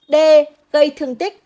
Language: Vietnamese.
d gây thương tích